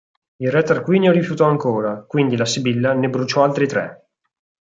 Il re Tarquinio rifiutò ancora, quindi la sibilla ne bruciò altri tre.